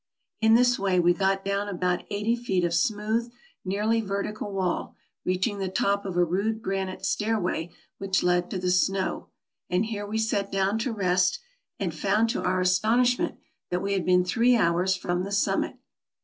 In this way we got down about eighty feet of smooth, nearly vertical wall, reaching the top of a rude granite stair way which led to the snow ; and here we sat down to rest, and found to our astonishment that we had been three hours from the summit.